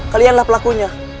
kalian lah pelakunya